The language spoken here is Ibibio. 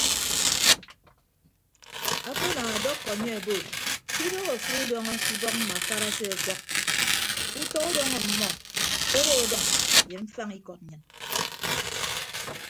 Akpe ana ọdọkọ anye obo ke idoho afịd udọñọ ke ibọk mbakara aseọkọk utọ udọñọ ọmmọ odo ọdʌñ ye mfañ ikọd nnyịn.